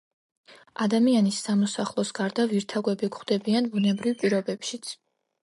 ადამიანის სამოსახლოს გარდა ვირთაგვები გვხვდებიან ბუნებრივ პირობებშიც.